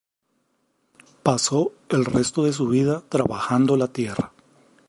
Pasó el resto de su vida trabajando la tierra.